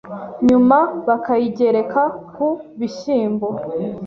nyuma bakayigereka ku bishyimbo